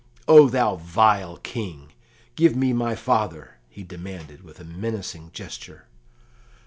"O thou vile King, give me my father!" he demanded, with menacing gesture.